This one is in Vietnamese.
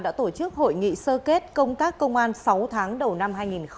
đã tổ chức hội nghị sơ kết công tác công an sáu tháng đầu năm hai nghìn hai mươi ba